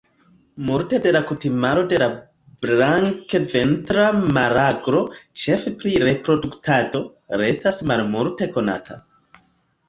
Multe de la kutimaro de la Blankventra maraglo, ĉefe pri reproduktado, restas malmulte konata.